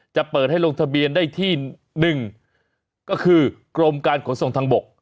จะเปิดให้ลงทะเบียนได้ที่๑ก็คือกรมการขนส่งทางบก